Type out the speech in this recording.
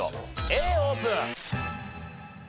Ａオープン。